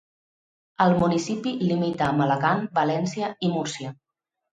El municipi limita amb Alacant, València i Múrcia.